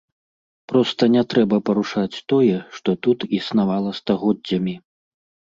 Проста не трэба парушаць тое, што тут існавала стагоддзямі.